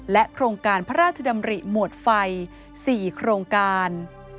โครงการพระราชดำริหมวดไฟ๔โครงการ